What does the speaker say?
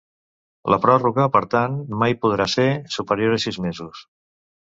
La pròrroga, per tant, mai podrà ser superior a sis mesos.